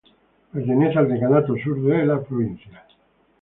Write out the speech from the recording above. Pertenece al Decanato Sur de la Provincia.